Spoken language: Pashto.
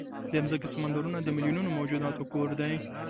د مځکې سمندرونه د میلیونونو موجوداتو کور دی.